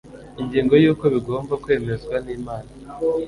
ingingo y uko bigomba kwemezwa n Inama